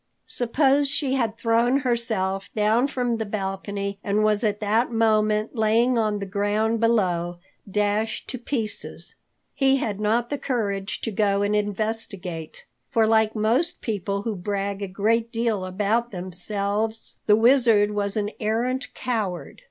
Suppose she had thrown herself down from the balcony, and was at that moment laying on the ground below, dashed to pieces! He had not the courage to go and investigate. For like most people who brag a great deal about themselves, the Wizard was an arrant coward.